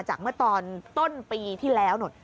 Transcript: เมื่อตอนต้นปีที่แล้ว